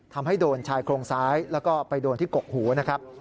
ทำให้โดนชายโครงซ้ายแล้วก็ไปโดนที่กกหูนะครับ